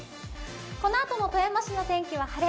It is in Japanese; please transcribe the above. このあとの富山市の天気は晴れ。